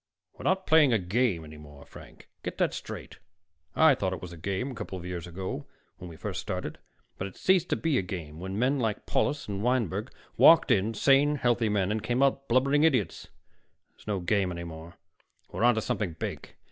"We're not playing a game any more, Frank. Get that straight. I thought it was a game a couple of years ago, when we first started. But it ceased to be a game when men like Paulus and Wineberg walked in sane, healthy men, and came out blubbering idiots. That's no game any more. We're onto something big.